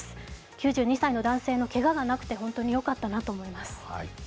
９２歳の男性のけががなくて本当によかったなと思います。